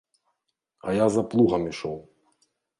А я за плугам ішоў.